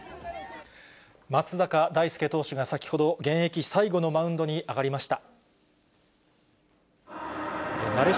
松坂大輔投手が先ほど、現役最後のマウンドに上がりました。